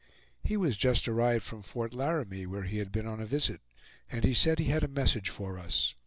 He was just arrived from Fort Laramie, where he had been on a visit, and said he had a message for us.